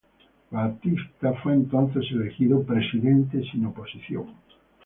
Batista fue entonces elegido presidente sin oposición.